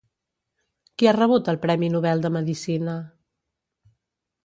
Qui ha rebut el premi Nobel de medicina?